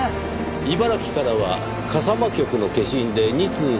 茨城からは笠間局の消印で２通でしたねぇ。